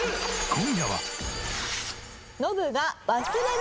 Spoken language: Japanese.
今夜は。